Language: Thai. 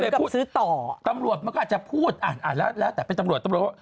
หรือเหมือนกับซื้อต่อตำรวจมันก็อาจจะพูดแล้วแต่เป็นตำรวจตำรวจ